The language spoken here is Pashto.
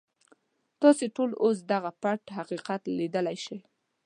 تاسې ټول اوس دغه پټ حقیقت ليدلی شئ.